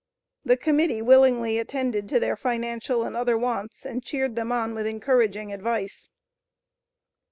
The Committee willingly attended to their financial and other wants, and cheered them on with encouraging advice.